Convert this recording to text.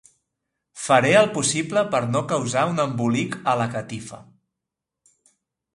Faré el possible per no causar un embolic a la catifa.